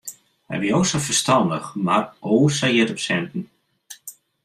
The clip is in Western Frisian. Hy wie o sa ferstannich mar o sa hjit op sinten.